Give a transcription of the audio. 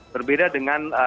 berbeda dengan kampanye pemilu